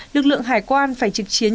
lực lượng hải quan phải trực chiến